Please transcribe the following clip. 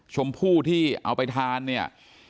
ชมพู่ที่เอาไปทานเนี่ย